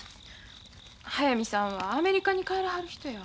速水さんはアメリカに帰らはる人や。